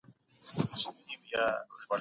لکه د ګل او بوی اړیکه.